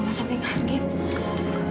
mama sampai kaget